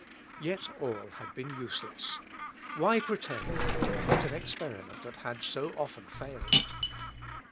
Yet all had been useless. Why pretend to repeat an experiment that had so often failed?